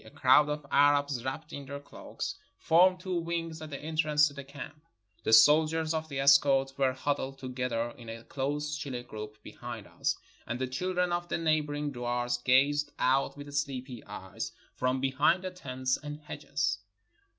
A crowd of Arabs wrapped in their cloaks formed two wings at the entrance to the camp. The soldiers of the escort were huddled together in a close chilly group behind us, and the children of the neighboring duars gazed out with sleepy eyes from be hind the tents and hedges.